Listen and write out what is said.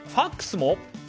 ＦＡＸも？